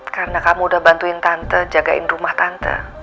karena kamu udah bantuin tante jagain rumah tante